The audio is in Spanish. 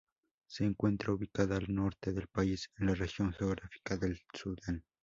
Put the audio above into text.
Se encuentra ubicada al norte del país, en la región geográfica del Sudán.